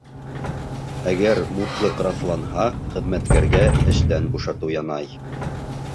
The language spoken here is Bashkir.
Әгәр мутлыҡ раҫланһа, хеҙмәткәргә эштән бушатыу янай.